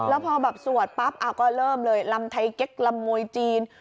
แล้วพอแบบสวดปั๊บก็เริ่มเลยลำไทยเก๊กลำมวยจีน